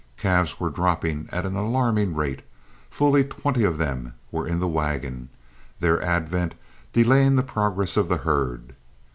Calves were dropping at an alarming rate, fully twenty of them were in the wagon, their advent delaying the progress of the herd.